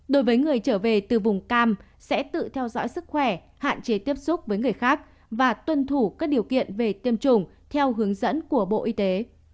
đối với người trở về từ vùng cam sẽ tự theo dõi sức khỏe hạn chế tiếp xúc với người khác và tuân thủ các điều kiện về tiêm chủng theo hướng dẫn của bộ y tế